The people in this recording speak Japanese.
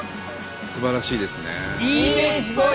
すばらしいですね。